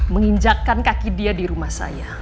menginjakkan kaki dia di rumah saya